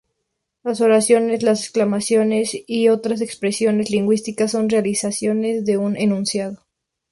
Las oraciones, las exclamaciones y otras expresiones lingüísticas son realizaciones de un enunciado.